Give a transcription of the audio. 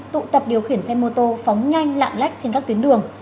tụ tập điều khiển xe mô tô phóng nhanh lạng lách trên các tuyến đường